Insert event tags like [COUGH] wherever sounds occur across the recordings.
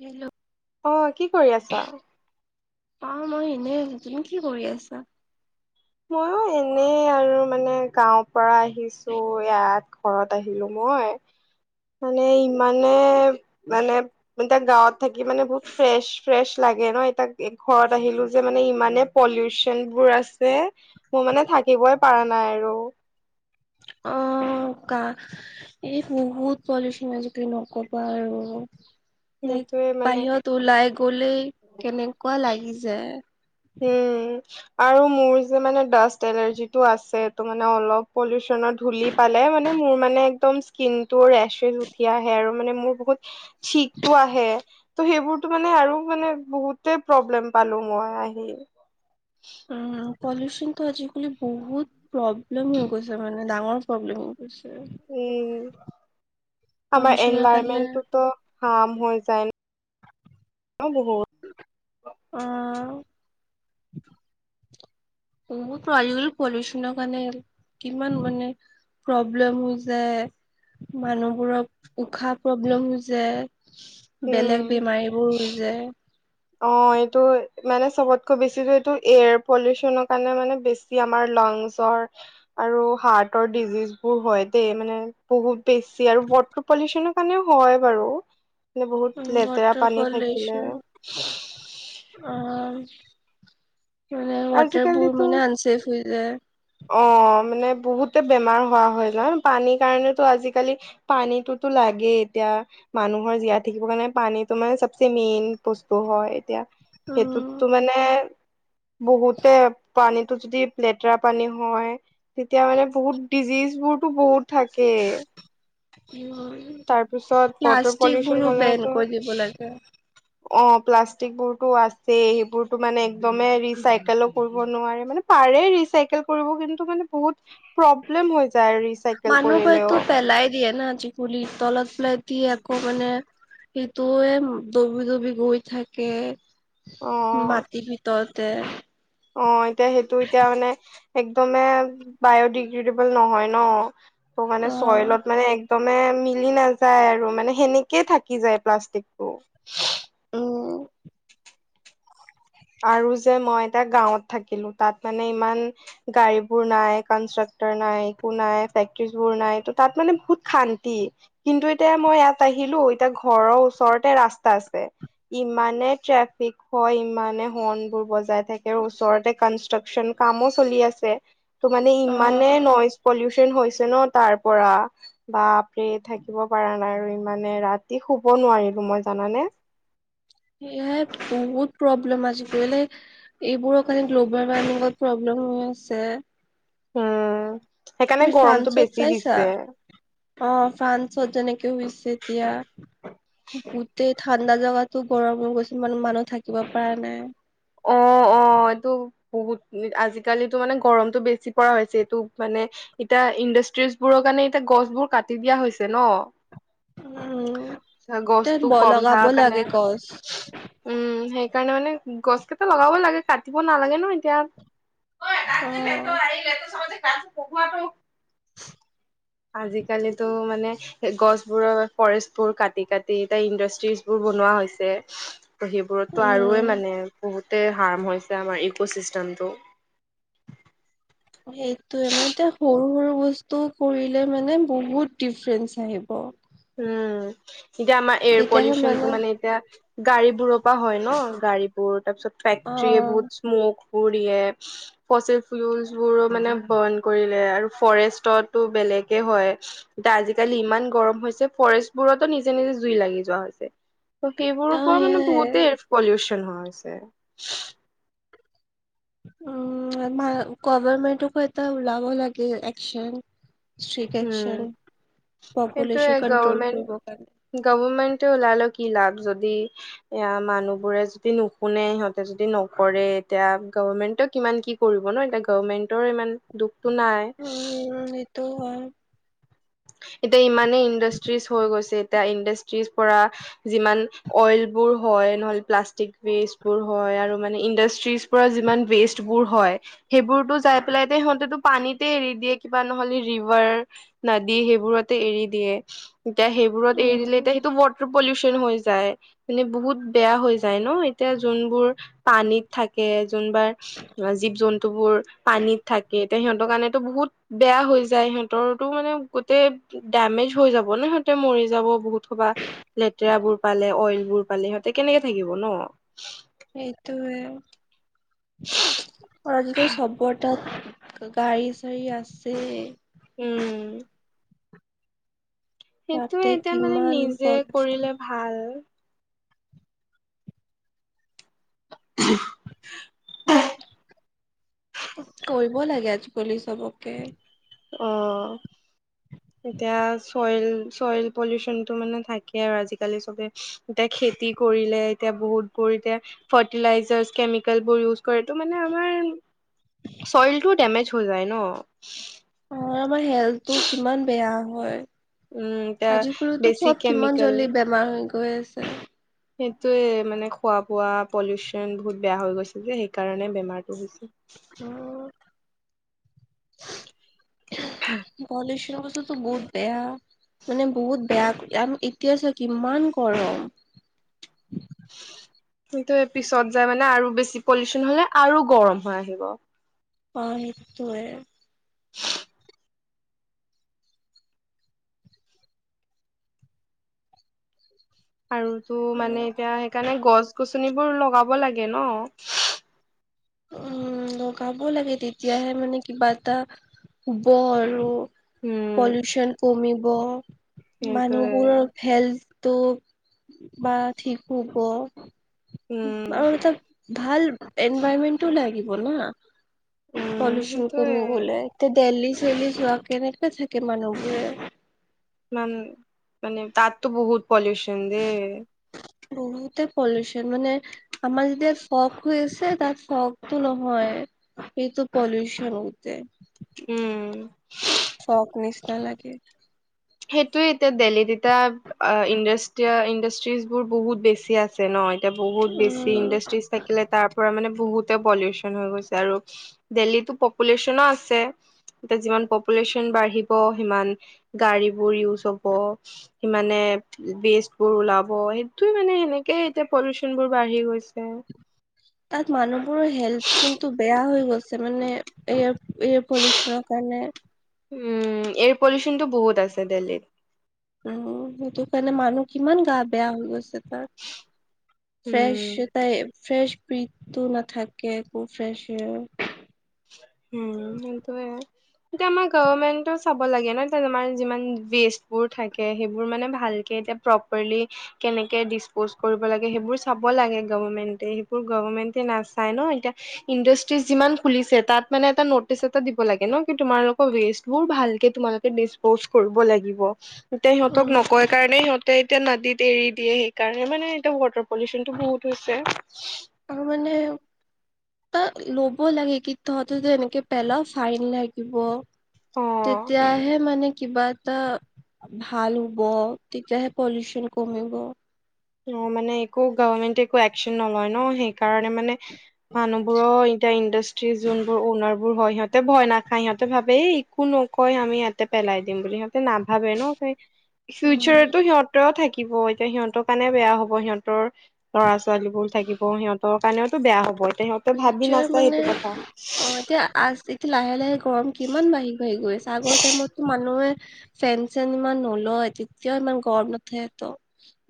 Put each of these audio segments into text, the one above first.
Hello- অ কি কৰি আছা? অ মই এনে আছোঁ। তুমি কি কৰি আছা? মইও এনেই আৰু মানে গাঁৱৰ পৰা আহিছোঁ ইয়াত ঘৰত আহিলোঁ মই- হয়- মানে ইমানে মানে এতিয়া গাঁৱত থাকি মানে বহুত ফ্ৰেছ ফ্ৰেছ লাগে- লাগে ন এতিয়া ঘৰত আহিলোঁ যে মানে ইমানে পলিউচন বোৰ আছে- মোৰ মানে থাকিবই পাৰা নাই আৰু- অ- অ কা এই বহুত পলিউচন আজিকালি নকবা আৰু- সেইটোয়ে লাইক মানে বাহিৰত ওলাই গলেই কেনেকুৱা লাগি যায়। উম আৰু মোৰ যে মানে ডাষ্ট এলাৰ্জিটো আছে তু মানে অলপ পলিউচন- ধূলি পালে মানে মোৰ মানে একদম স্কিনটো ৰেচেচ উঠি আহে আৰু মানে মোৰ বহুত- চিকটো আহে ত সেইবোৰতো মানে আৰু মানে বহুতে প্ৰব্লেম পালোঁ মই আ- সেয়ে- উম পলিউচনটো আজিকালি বহুত প্ৰব্লেম হৈ গৈছে মানে ডাঙৰ প্ৰব্লেম- গৈছে উম, আমাৰ পলিউচনৰ কাৰণে এনভাইৰমেন্টটোতো হাৰ্ম হৈ যায়- অ অ বহুত- [INAUDIBLE] আজিকালি পলিউচনৰ কাৰণে কিমান মানে- প্ৰব্লেম হৈ যায় মানুহবোৰক উশাহ প্ৰব্লেম হৈ যায়- উম বেলেগ বেমাৰীবোৰ হৈ যায়- অ এইটো মানে চবতকৈ বেছি এইটো এয়াৰ পলিউচনৰ কাৰণে মানে বেছি আমাৰ লাংছৰ আৰু হাৰ্টৰ ডিজিজ বোৰ হয় দেই মানে বহুত বেছি আৰু ৱাটাৰ পলিউচনৰ কাৰণেও হয় বাৰু মানে উম, বহুত লেতেৰা ৱাটাৰ পানী থাকিলে পলিউচন অ মানে ৱাটাৰ বোৰ আজিকালিতো মানে আনচেফ হৈ যায়। অ মানে বহুতে বেমাৰ হোৱা হয় ন পানীৰ কাৰণেতো আজিকালি পানীটোতো লাগেই এতিয়া মানুহৰ জীয়াই থাকিব কাৰণে পানীটো মানে চবচে মেইন বস্তু হয় এতিয়া সেইটোত উম টো মানে বহুতে পানীতো যদি লেতেৰা পানী হয় তেতিয়া মানে বহুত ডিজিজ দুৰতো বহুত থাকে। তাৰপিছত ৱাটাৰ প্লাষ্টিক পলিউচন বোৰো বেন হলেতো কৰি দিব লাগে। অ প্লাষ্টিক বোৰতো আছে সেইবোৰতো মানে একদমে ৰিচাইকেলো কৰিব নোৱাৰে মানে আৰে ৰিচাইকেল কৰিব কিন্তু মানে বহুত প্ৰব্লেম হৈ যায়। ৰিচাইকেল মানুহক কৰিলেও হয়তো পেলাই দিয়ে না আজিকুলিৰ তলত পেলাই দিয়ে আকৌ মানে সেইটোৱে দবি দবি গৈ থাকে অ মাটিৰ ভিতৰত। তে। অ এতিয়া সেইটো এতিয়া মানে একদমে বায়'ডিগ্ৰেডেবল নহয় ন ত' মানে অ চইলত মানে দমে মিলি নাযায় আৰু মানে সেনেকেই থাকি যায় প্লাষ্টিকটো। উম আৰু যে মই এটা গাঁৱত থাকিলো তাত মানে ইমান গাড়ীবোৰ নাই কাক ন নাই একো নাই পেকেট বোৰ নাই তথাপি ও মানে বহুত শান্তি কিন্তু এতিয়া মই ই আহি আহিলো এতিয়া ঘৰৰ ওচৰতে ৰাস্তা আছে ইমানে ট্ৰেফিক হয় ইমানে হৰ্ণ বোৰ বজাই থাকে ওচৰতে কনষ্ট্ৰাকচন কামো চলি আছে ত মানে অ ইমানে নইজ পলিউচন হৈছে ন তাৰ পৰা বাপৰে থাকিব পৰা নাই আৰু ইমানে ৰাতি শুব নোৱাৰিলো মই জানানে। সেয়াই বহুত প্ৰব্লেম আজিকালি এইবোৰৰ কাৰণে গ্ল'বেল ৱাৰ্মিঙত প্ৰব্লেম হৈ আছে উম। সেইকাৰণে তুমি গৰমটো ফ্ৰান্সত বেছি চাইছা? দিছে অ ফ্ৰান্সত যেনেকে হৈছে এতিয়া গোট ঠাণ্ডা জগাতো গৰমো গৈছিল মানে মানুহ থাকিব পৰা নাই অ অ এইটো বহুত আজিকালিতো মানে গৰমতটো বেছি পৰা হৈছে এইটো মানে এতিয়া ইণ্ডাষ্ট্ৰিজ বোৰক কাৰণে এতিয়া গছ বোৰ কাটি দিয়া হৈছে ন উম ত তে গছটো কম লগাব থাকাৰ কাৰণে লাগে গছ উম সেই সেইকাৰণে মানে গছ কেইটা লগাব লাগে কাটিব নালাগে ন এতিয়া অ হয়াক লেত এই লেত চয় যে ক কহোৱাটো [UNINTELLIGIBLE] আজিকালিতো মানে গছবোৰৰ ফৰেষ্টবোৰ কাটি কাটি ত ইণ্ডাষ্ট্ৰিজ বোৰ বনোৱা হৈছে ত' সেইবোৰতো আৰুৱে উম মানে বহুত হাৰ্ম হৈছে আমাৰ ইক' চিষ্টেমটো সেইটোয়ে মানে এতিয়া সৰু সৰু বস্তু টো কৰিলে মানে বহুত ডিফাৰেন্ঞ্চ আহিব। উম এতিয়া আমাৰ এয়াৰ পলিউচন টো মানে এতিয়া গাড়ীবোৰৰ হয় ন গাড়ীবোৰ তাৰপিছত অ অ ফেক্ট্ৰৰী বহুত স্মক দিয়ে ফচিফুলোল বোৰো মানে বন কৰিলে আৰু ফৰেষ্টতো বেলেগ একে হয় এ আজিকালি ইমান গৰম ফৰেষ্ট বোৰতো নিজে নিজে জুই লাগি যোৱা হৈছে ত' সেইবোৰৰ পৰা মানে সেয়াই বহুতেই পলিউচন নোহোৱা হৈছে। উম আমাৰ গভমেণ্টকো এটা ওলাব লাগে একচন। উম, শ্ৰীকশাৰ [UNINTELLIGIBLE] সেইটোয়ে গভমেণ্ট কাৰণে গভমেণ্টে ওলালক। কি লাভ যদি এ মানুহবোৰে যদি নুশুনে সিহঁতে যদি নকৰে এতিয়া গভমেন্টক কিমান কি কৰিব ন এতিয়া গভমেন্টৰ ইমান দুখতো নাই। এইটো হয়। এতিয়া ইমানেই ইণ্ডাষ্ট্ৰিজ হৈ গৈছে এতিয়া ইণ্ডাষ্ট্ৰিজ পৰা যিমান অইল বোৰ হয় নহ'লে প্লাষ্টিক ৱেষ্টবোৰ হয় আৰু মানে ইণ্ডাষ্ট্ৰিজ পৰা যিমান ৱেষ্টবোৰ হয় সেইবোৰতো যাই পেলাই সিহতেটো পানীতে এৰি দিয়ে কিবা নহ'লে ৰিভাৰ ন দি সেইবোৰতে এৰি দিয়ে এতিয়া সেইবোৰত এৰি দিলে উম এতিয়া সেইটো ৱাটাৰ পলিউচন হৈ যায় মানে বহুত বেয়া হৈ যায় ন এতিয়া যোনবোৰ পানীত থাকে। জুনবাৰ জীৱ জন্তু বোৰ পানীত থাকে তেতিয়া সিহতৰ কাৰনে ত বহুত বেয়া হৈ যায় যাই সিহঁতৰো মানে গোতেই দেমেজ হৈ যাব ন সিহঁতে মৰি যাব বহুত সবা লেতেৰা বোৰ পালে অইল। বোৰ পালি সহতে কেনেকে থাকিব ন? এইটোে আৰু আজিকাল চবৰ তাত গাড়ী চাৰি আছে। উম। সেইটো তাতে এতিয়া মানে কিমান নিজে পলিউচন কৰিলে ভাল। [UNINTELLIGIBLE] কৰিব লাগে আজিকালি চবকে অ। এতিয়া চইল চইল পলিউচনতটো মানে থাকে আৰু আজিকালি চবে এতিয়া খেতি কৰিলে এতিয়া বহুত বোৰ এতিয়া ফাৰ্টিলাইজাৰছ কেমিকেল বোৰ ইউজ কৰে তটো মানে আমাৰ চইলটোও দেমেজ হৈ যায় ন? অ আমাৰ হেল্থটো কিমান বেয়া হয়। উম এতিয়া আজিকালিতো বেছি চব কিমান কেমিকেল জল্দি বেমাৰ হৈ গৈ আছে। সেইটোৱে মানে খোৱা বোৱা পলিউচন বহুত বেয়া হৈ গৈছে যে সেইকাৰণে বেমাৰটো হৈছে। [INAUDIBLE] উম পলিউচন [UNINTELLIGIBLE] বহুত বেয়া মানে বহুত বেয়া। আম এতিয়া চ কিমান গৰম। [UNINTELLIGIBLE] সেইটো পিছত যাই মানে আৰু বেছি পলিউচন হলে আৰু গৰম হৈ আহিব। অ সেইটোৱে। আৰুতো মানে এতিয়া সেইকাৰণে গছ গছনিবোৰ লগাব লাগে ন। উম লগাব লাগে তেতিয়াহে মানে কিবা এটা শুব আৰু। উম পলোচন কমিব সেইটোয়ে মানুহবোৰৰ হেল্থ তো বা ঠিক হব উম আৰু এটা ভাল এনভাইৰমেন্টও লাগিব না। উম পলুচন সেইটোয়ে কমি গ'ল তে ডেইলী ডেলী যোৱা কেনেকে থাকে মানুহবোৰে। মান মানে তু বহুত পলিউচন দেই। বহুতে পলিুচন মানে আমাৰ যেতিয়া ফক হৈ আছে তাত ফকটো নহয়, এইেইটো পলিউশন গোতেই। উম। ফগ নিচিনা লাগে। সেইটোৱে এতিয়া দেল্হীত এতিয়া ইণ্ডাষ্ট ইণ্ডাষ্ট্ৰিজ বোৰ বহুত বেছি আছে ন এতিয়া বহুত বেছি উম ইণ্ডাষ্ট্ৰিজ থাকিলে তাৰ মানে বহুতে পলিউচন হৈ গৈছে আৰু দিল্লীত পপুলেশ্যনো আছে। এতিয়া যিমান পপুলেশ্যন বাঢ়িব সিমান গাড়ী বোৰ ইউজ হ'ব সি মানে বেষ্ট বোৰ ওলাব সেইটোয়ে মানে সেনেকে এতিয়া পলিওচন বোৰ বাঢ়ি গৈছে। তাত মানুহ বোৰৰ হেল্থ কিন্তু বেয়া হৈ মানে এয়াৰ এয়াৰ পলিউশনৰ কাৰণে উম এয়াৰ পলিউচনটো বহুত আছে দিল্লীত উম সেইটো কাৰণে মানুহ কিমান গা বেয়া হৈ গৈছে তাৰ উম ফ্ৰেছ তাই ফ্ৰেশ ব্ৰেথটো নাথাকে একো ফ্ৰেছ শেৰ উম সেইটোয়ে এতিয়া আমাৰ গভৰ্মেন্তেও চাব লাগে ন যি যিমান যিষ্টি থাকে সেইবোৰ মানে ভালকে এতিয়া প্ৰপাৰলি কেনেকে ডিচপজ কৰিব লাগে সেইবোৰ চাব লাগে গভমেণ্টে সেইবোৰ গভমেণ্টে নাচায় ন এতিয়া ইণ্ডাষ্ট্ৰিজ যিমান খুলিছে তাত। মানে এটা নটিচ এটা দিব লাগে ন তোমাৰ লগত ৱেষ্টবোৰ ভালকে তোমাৰ লগত দিছপওছ লাগিব। এতিয়া সিহঁতক উম। নকয় কাৰণে সিহঁতে এতিয়া নদীত এৰি দিয়ে সেইকাৰণে মানে এতিয়া ৱাটাৰ পলিউচন টো বহুত হৈছে। আৰু মানে ত ল'ব লাগে কি তহঁতেতো এনেকে পেলাও ফাইন লাগিব। অ তেতিয়াহে মানে। কিবা এটা ভাল হব তেতিয়াহে পলিউশ্যন কমিব। অ মানে একো গভৰ্মেনট একো একচন নলয় ন সেই। কাৰণে মানে মানুহ বোৰৰ এতিয়া ইণ্ডাষ্ট্ৰি যোনবোৰ অনা বোৰ হয় সিহঁতে ভয় নাখায় সিহঁতে ভাবে এই একো নকয় আমি ইহতে পেলাই দিম বুলি ভাব। নাভাবে ন উম। ফিউচাৰতো সিহঁতেও থাকিব এতিয়া সিহঁতক কাৰণে বেয়া হ'ব সিহঁতৰ ল'ৰা ছোৱালী বোৰ থাকিব সিহঁতৰ কাৰণেওতো বেয়া হ'ব। এতিয়া সিহঁতে ভাবি ফিউচাৰ নাচায় মানে সেইটো কথা অ এতিয়া আজি লাহে লাহে গৰম কিমান বাঢ়ি -বাঢ়ি গৈ আছে আগৰ টাইমতো মানুহে। ফেন চেন ইমান নলয় তেতিয়াও ইমান গৰম নুথে তো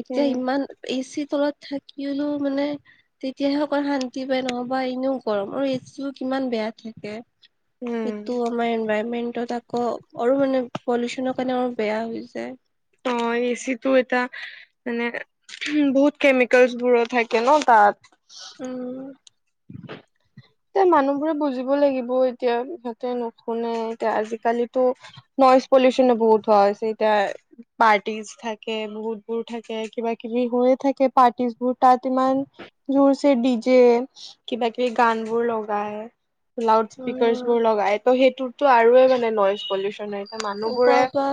এতিয়া উম ইমান এচি তলত থাকি হলেও মানে তেতিয়াহে অকল শান্তি নহবা এনেও গৰম আৰু এইটো কিমান বেয়া থাকে। উম এই তো আমাৰ এনভাইৰমেণ্ট। ত আকৌ আৰু মানে পলিউচনৰ কাৰণে আৰু বেয়া হৈ যায়। অ এচি টো এটা মানে বহুত কেমিকেলচ বোৰো থাকে ন তাত। উম। এ মানুহবোৰে বুজিব লাগিব। এতিয়া সিহঁতে নুশুনে এতিয়া আজিকালিতো নইজ পলিউচন বহুত হোৱা হৈছে এতিয়া পাৰ্টিজ থাকে বহুত বোৰ থাকে কিবা কিবি। হৈ থাকে পাৰ্টিবোৰ তাত ইমান জোৰছে ডিজে কিবা কিবি গান। বোৰ লগাই লাউড স্পীকাৰছ উম বোৰ লগাই ত' সেইটোতো আৰু মানে নইজ পলিউচন হৈছে মানুহবোৰে ওপৰৰ পৰা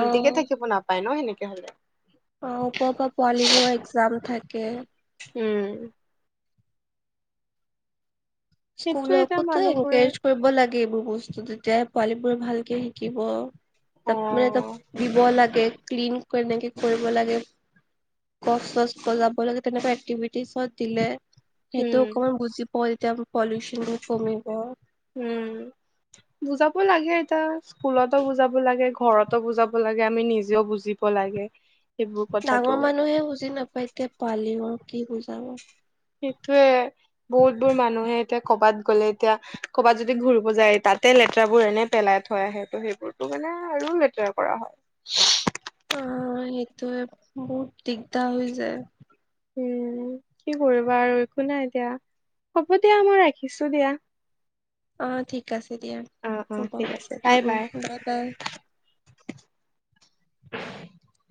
অ থাকিব নাপায় ন সেনেকে হলে। অ ওপৰৰ পৰা পোৱালীবোৰৰ এক্জাম থাকে উম। সেইটোয়ে এতিয়া স্কুলতো মানুহবোৰে এনকাৰজ কৰিব লাগে। এইবোৰ বস্তু তেতিয়া পোৱালি বোৰে ভালকে শিকিব অ তাত মানে ত দিব লাগে। ক্লিন কেনেকে কৰিব লাগে। গছ চছ যাব লাগে তেনেকুৱা এক্টিভিটিত দিলে। সেইটো উম অকণমান বুজি পাও যেতিয়াৰ পলিউশন কমিব। উম বুজাব লাগে এতিয়া স্কুলতো বুজাব লাগে। ঘৰতো বুজাব লাগে আমি নিজেও বুজিব লাগে। সেইবোৰ কথাটো ডাঙৰ মানুহে বুজি নাপায় তেয়া পোৱালী কি বুজাব। সেইটোয়ে বহুত বোৰ মানুহে এতিয়া কৰবাত গ'লে এতিয়া কৰবাত যদি ঘূৰিব যায় এ তাক। তাতে লেতেৰাবোৰ এনে পেলাই থৈ আহে ত সেইবোৰতো মানে আৰু লেতেৰা কৰা হয়। অ সেইটো বহুত দিগদাৰ হৈ যায়। উম কি কৰিবা আৰু একো নাই দিয়া হব দিয়া মই ৰাখিছো দিয়া। অ ঠিক আছে দিয়া অ অ হ'ব ঠিক আছে উ বাই উম বাই বাই। [INAUDIBLE] [INAUDIBLE]